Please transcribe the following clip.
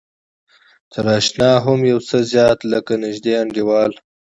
تر اشنا هم يو څه زيات لکه نژدې انډيوال.